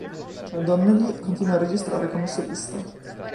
La Donnelly continua a registrare come solista.